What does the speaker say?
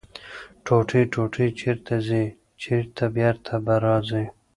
ـ ټوټې ټوټې چېرته ځې ،چې بېرته به راځې.